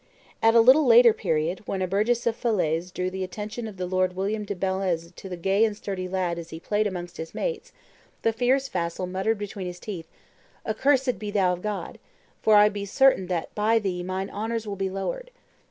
At a little later period, when a burgess of Falaise drew the attention of the Lord William de Bellesme to the gay and sturdy lad as he played amongst his mates, the fierce vassal muttered between his teeth, "Accursed be thou of God! for I be certain that by thee mine honors will be lowered."